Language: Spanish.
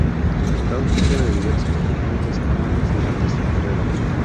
Fue objeto de diversos pequeños escándalos durante su carrera.